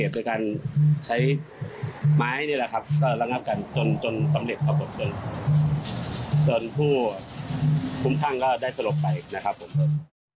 คุณช่างก็ได้สลบไปนะครับคุณผู้หญิง